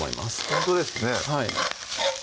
ほんとですね